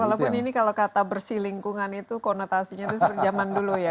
walaupun ini kalau kata bersih lingkungan itu konotasinya itu seperti zaman dulu ya